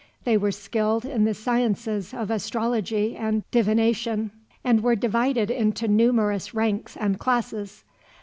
They were skilled in the sciences of astrology and divination, and were divided into numerous ranks and classes.